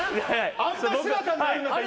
あんな姿になるんだったら。